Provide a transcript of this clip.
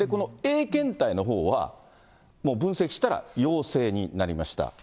で、Ａ検体のほうは分析したら陽性になりました。